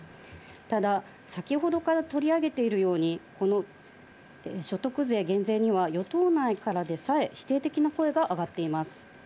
ただ、先ほどから取り上げているように、この所得税減税には与党内からでさえ、否定的な声が上がっています。